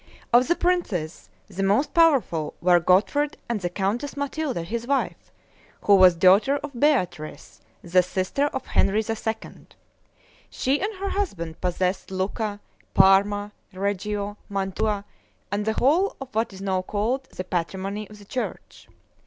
Of the princes, the most powerful were Godfred and the Countess Matilda his wife, who was daughter of Beatrice, the sister of Henry II. She and her husband possessed Lucca, Parma, Reggio, Mantua, and the whole of what is now called THE PATRIMONY OF THE CHURCH.